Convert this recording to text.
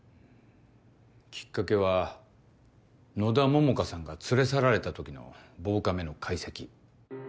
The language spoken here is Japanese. きっかけは野田桃花さんが連れ去られた時の防カメの解析。